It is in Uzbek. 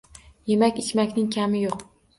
Yemak-ichmakning kami yo‘q.